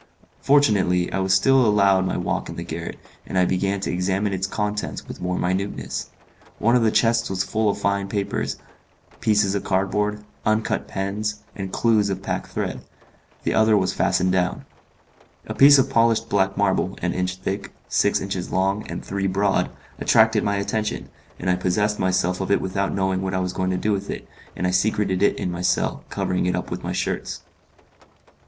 Fortunately, I was still allowed my walk in the garret, and I began to examine its contents with more minuteness. One of the chests was full of fine paper, pieces of cardboard, uncut pens, and clews of pack thread; the other was fastened down. A piece of polished black marble, an inch thick, six inches long, and three broad, attracted my attention, and I possessed myself of it without knowing what I was going to do with it, and I secreted it in my cell, covering it up with my shirts.